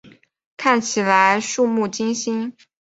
看起来怵目惊心